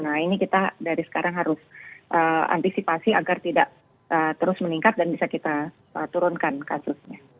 nah ini kita dari sekarang harus antisipasi agar tidak terus meningkat dan bisa kita turunkan kasusnya